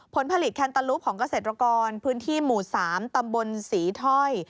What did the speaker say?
ผลผลิตแคนตาลูปของเกษตรกรพื้นที่หมู่๓ตำบลศรีถ้อย